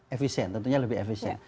efisien tentunya lebih efisien